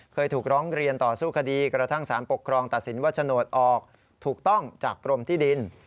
เคยถูกร้องเรียนต่อสู้คดีกระทั่งสารปกครองตัดสินว่าโฉนดออกถูกต้องจากกรมที่ดิน